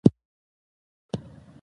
دا نکير او منکر په باندې ډيرې پريښتې دي